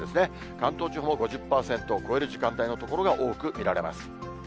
関東地方も５０％超える時間帯の所も多く見られます。